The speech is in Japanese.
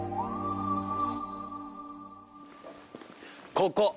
ここ。